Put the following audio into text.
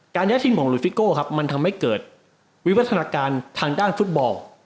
การย้ายทินของฟิสโก้มันทำให้เกิดวิวัฒนาการทางด้านฟุตบอล